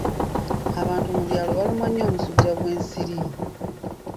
Abantu mu byalo balumwa nnyo omusujja gw'ensiri.